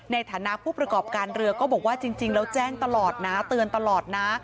ในฐานะผู้ประกอบการเรือก็บอกว่าจริงแล้วแจ้งตลอดนะเตือนตลอดนะ